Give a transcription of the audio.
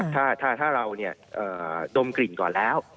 ถ้าเราดมกลิ่นก่อนแล้ว